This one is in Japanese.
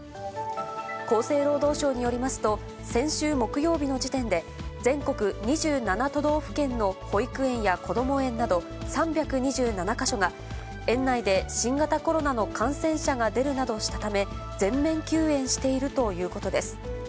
厚生労働省によりますと、先週木曜日の時点で、全国２７都道府県の保育園やこども園など３２７か所が、園内で新型コロナの感染者が出るなどしたため、全面休園しているということです。